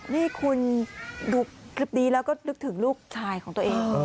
นี่คุณดูคลิปนี้แล้วก็นึกถึงลูกชายของตัวเอง